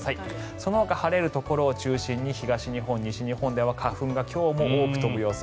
そのほか晴れるところを中心に東日本、西日本では花粉が今日も多く飛ぶ予想。